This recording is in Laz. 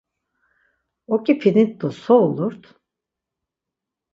Oǩipinit do so ulurt?